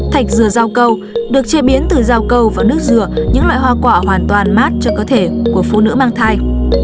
thạch dừa rau câu được chế biến từ rau cầu và nước dừa những loại hoa quả hoàn toàn mát cho cơ thể của phụ nữ mang thai